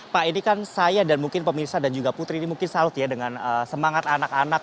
pak ini kan saya dan mungkin pemirsa dan juga putri ini mungkin salut ya dengan semangat anak anak